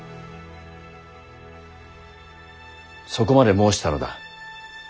そこまで申したのだ。